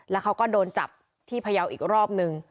แล้วเขาก็โดนจับที่พยาวอีกรอบนึง